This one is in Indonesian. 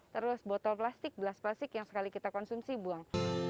terus botol plastik gelas plastik yang sekali kita konsumsi buang